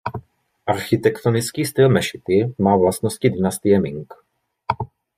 Architektonický styl mešity má vlastnosti dynastie Ming.